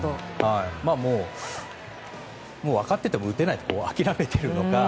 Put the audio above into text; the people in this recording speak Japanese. もう分かっていても打てないと諦めているのか。